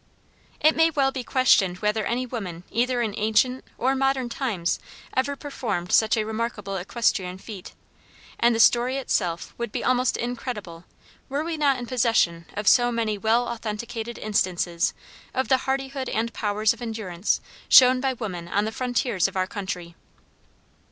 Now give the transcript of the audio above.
It may well be questioned whether any woman either in ancient or modern times ever performed such a remarkable equestrian feat, and the story itself would be almost incredible were we not in possession of so many well authenticated instances of the hardihood and powers of endurance shown by woman on the frontiers of our country.